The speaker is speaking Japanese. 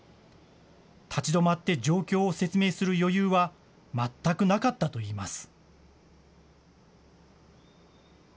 立ち止まって状況を説明する余裕は全くなかったといいます。